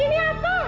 ini apa fatimah